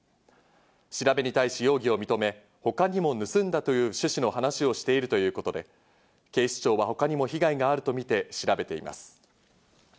調べに対し容疑を認め、他にも盗んだという趣旨の話をしているということで、警視庁は他にも被害があるとみて調べています。